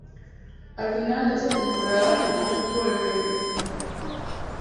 Al final de esa temporada, fichó por el Rangers.